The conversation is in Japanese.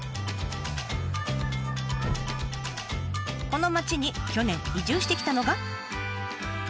この町に去年移住してきたのが。